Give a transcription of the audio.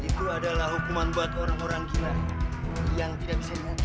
itu adalah hukuman buat orang orang kita yang tidak bisa dihukum